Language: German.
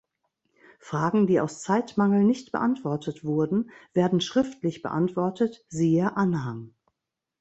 Fragen, die aus Zeitmangel nicht beantwortet wurden, werden schriftlich beantwortet siehe Anhang.